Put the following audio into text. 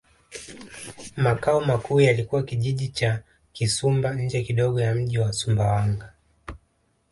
Makao makuu yalikuwa Kijiji cha Kisumba nje kidogo ya mji wa Sumbawanga